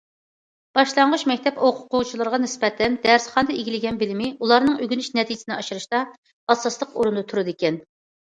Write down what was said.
باشلانغۇچ مەكتەپ ئوقۇغۇچىلىرىغا نىسبەتەن دەرسخانىدا ئىگىلىگەن بىلىمى ئۇلارنىڭ ئۆگىنىش نەتىجىسىنى ئاشۇرۇشتا ئاساسلىق ئورۇندا تۇرىدىكەن.